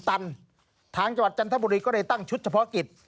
ตันทางจังหวัดจันทบุรีก็เลยตั้งชุดเฉพาะกิจ